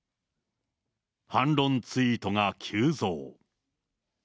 反論ツイートが急増。